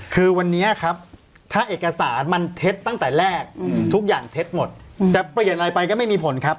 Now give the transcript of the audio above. คือวันนี้ครับถ้าเอกสารมันเท็จตั้งแต่แรกทุกอย่างเท็จหมดจะเปลี่ยนอะไรไปก็ไม่มีผลครับ